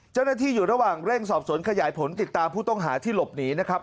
เจ้าหน้าที่อยู่ระหว่างเร่งสอบสวนขยายผลติดตามผู้ต้องหาที่หลบหนีนะครับ